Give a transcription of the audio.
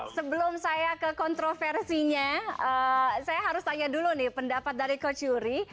sebelum saya ke kontroversinya saya harus tanya dulu nih pendapat dari coach yuri